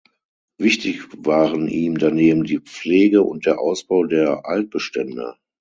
Wichtig waren ihm daneben die Pflege und der Ausbau der Altbestände.